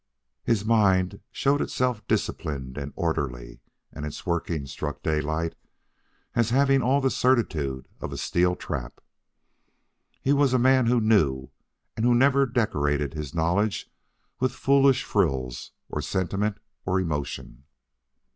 His mind showed itself disciplined and orderly, and its workings struck Daylight as having all the certitude of a steel trap. He was a man who KNEW and who never decorated his knowledge with foolish frills of sentiment or emotion.